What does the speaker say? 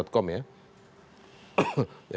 ya kan dibaca